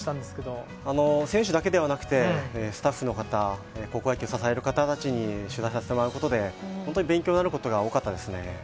選手だけではなくて、スタッフの方、高校野球を支える方たちに取材させてもらうことで、勉強になることが多かったですね。